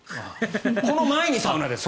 この前にサウナですか？